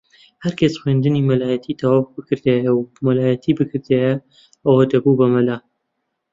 ھەر کەسێک خوێندنی مەلایەتی تەواو بکردایە و مەلایەتی بکردایە ئەوە دەبوو بە مەلا